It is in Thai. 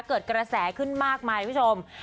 เกิดกระแสขึ้นมากมายคุณผู้ชม